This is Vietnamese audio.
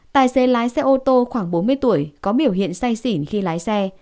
tài xế lái xe ô tô khoảng bốn mươi tuổi có biểu hiện say xỉn khi lái xe